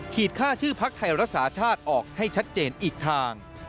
ค่าชื่อพักไทยรักษาชาติออกให้ชัดเจนอีกทาง